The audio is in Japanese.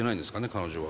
彼女は。